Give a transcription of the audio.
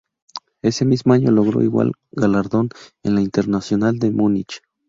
Ese mismo año logró igual galardón en la Internacional de Múnich.